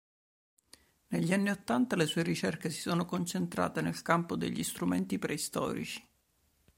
Negli anni ottanta le sue ricerche si sono concentrate nel campo degli strumenti preistorici.